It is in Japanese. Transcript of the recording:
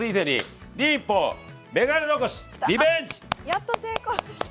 やっと成功した！